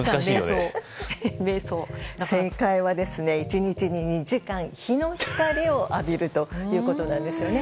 正解は１日に２時間日の光を浴びるということです。